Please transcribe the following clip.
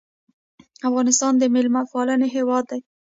افغانستان د میلمه پالنې هیواد دی